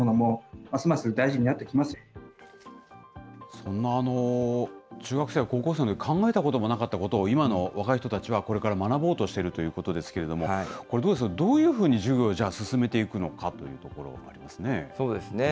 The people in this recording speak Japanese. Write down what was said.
そんな中学生や高校生のとき、考えたこともなかったことを、今の若い人たちはこれから学ぼうとしているということですけれども、これどうですか、どういうふうに授業、じゃあ進めていくのかそうですね。